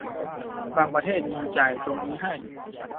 บางประเทศมีจ่ายตรงนี้ให้